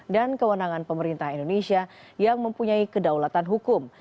dan kewenangan pemerintah indonesia yang mempunyai kedaulatan hukum